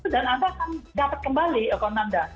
dan anda akan dapat kembali akun anda